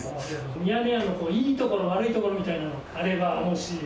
ミヤネ屋のいいところ、悪いところみたいなのあれば、もし。